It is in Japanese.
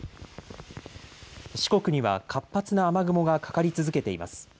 四国には活発な雨雲がかかり続けています。